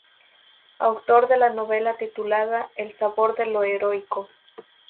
Autor de la novela titulada "El sabor de lo heroico".